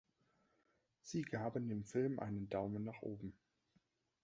Sie gaben dem Film einen Daumen nach oben.